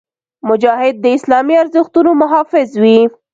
مجاهد د اسلامي ارزښتونو محافظ وي.